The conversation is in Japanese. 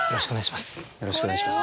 よろしくお願いします。